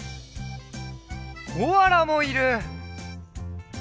コアラもいる！